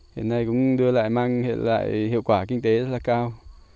hiện nay cũng đưa lại mang hiện lại hiệu quả kinh tế rất là cao